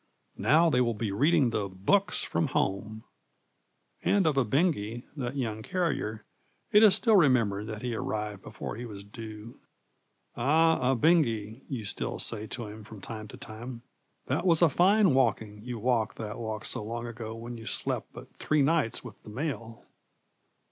'Now they will be reading the books from home!' And of Ebengé, that young carrier, it is still remembered that he arrived before he was due. 'Ah, Ebengé.' you still say to him from time to time, 'that was a fine walking you walked that walk so long ago when you slept but three nights with the mail!'